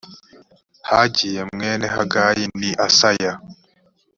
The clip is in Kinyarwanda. hagiya mwene hagiya ni asaya